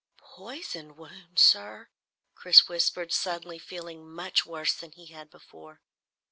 "Poisoned wound, sir?" Chris whispered, suddenly feeling much worse than he had before.